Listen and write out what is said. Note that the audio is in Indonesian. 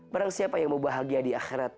barang siapa yang mau bahagia di akhirat